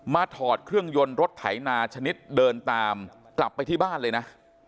ถอดเครื่องยนต์รถไถนาชนิดเดินตามกลับไปที่บ้านเลยนะ